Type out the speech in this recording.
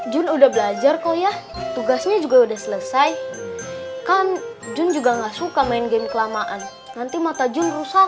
jun udah belajar kok ya tugasnya juga udah selesai kan jun juga nggak suka main game kelamaan nanti mata jun rusak